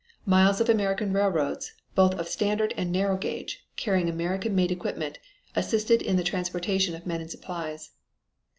Miles of American railroads, both of standard and narrow gauge, carrying American made equipment, assisted in the transportation of men and supplies.